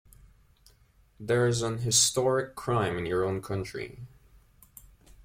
There's an historic crime in your own country.